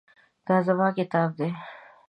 دا زما کتاب دی